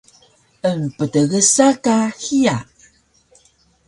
Emptgsa ka hiya